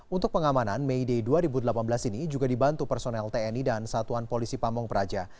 untuk pengamanan may day dua ribu delapan belas ini juga dibantu personel tni dan satuan polisi pamung praja